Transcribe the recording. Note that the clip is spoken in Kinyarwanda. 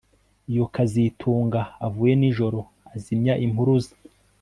Iyo kazitunga avuye nijoro azimya impuruza